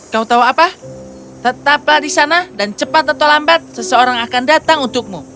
kau tahu apa tetaplah di sana dan cepat atau lambat seseorang akan datang untukmu